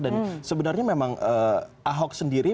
dan sebenarnya memang ahok sendiri